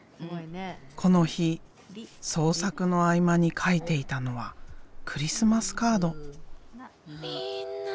この日創作の合間に書いていたのはクリスマスカード。